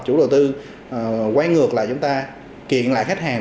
chủ đầu tư quay ngược là chúng ta kiện lại khách hàng